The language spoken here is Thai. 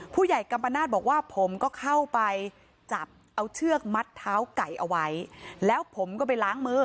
กัมปนาศบอกว่าผมก็เข้าไปจับเอาเชือกมัดเท้าไก่เอาไว้แล้วผมก็ไปล้างมือ